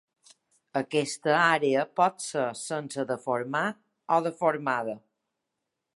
Aquesta àrea pot ser sense deformar o deformada.